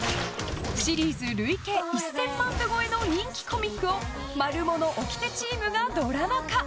シリーズ累計１０００万部超えの人気コミックを「マルモのおきて」チームがドラマ化。